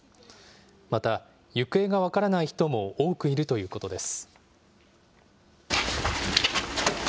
また、行方が分からない人も多くいるということです。